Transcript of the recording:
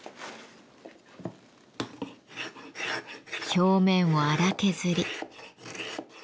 表面を荒削り。